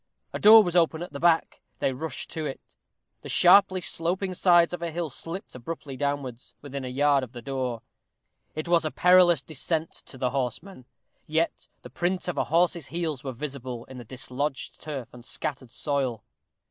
A door was open at the back; they rushed to it. The sharply sloping sides of a hill slipped abruptly downwards, within a yard of the door. It was a perilous descent to the horseman, yet the print of a horse's heels were visible in the dislodged turf and scattered soil.